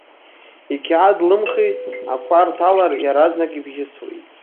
Иқьаад лыхми, ақәа рҭалар, иаразнак ибжьысуеит.